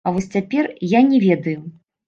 А вось цяпер я не ведаю.